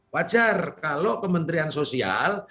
wajar kalau kementerian sosial